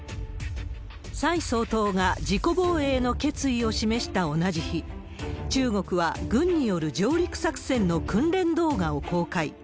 蔡総統が自己防衛の決意を示した同じ日、中国は軍による上陸作戦の訓練動画を公開。